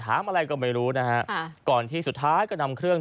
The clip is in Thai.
อะไรก็ไม่รู้นะฮะก่อนที่สุดท้ายก็นำเครื่อง